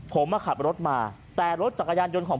ผมมาขับรถมาแต่รถจักรยานยนต์ของ